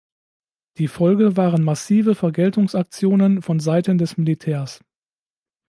Die Folge waren massive Vergeltungsaktionen von Seiten des Militärs.